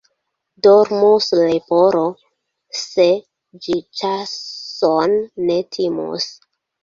Dormus leporo, se ĝi ĉason ne timus.